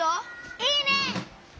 いいね！